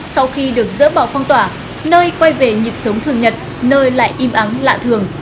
sau khi được dỡ bỏ phong tỏa nơi quay về nhịp sống thường nhật nơi lại im ắng lạ thường